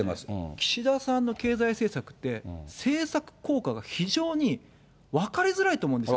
岸田さんの経済政策って、政策効果が非常に分かりづらいと思うんですよ。